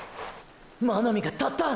真波が立った！！